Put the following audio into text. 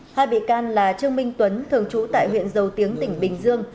hai bị can là trương minh tuấn thường trú tại huyện dầu tiếng tỉnh bình dương